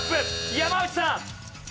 山内さん。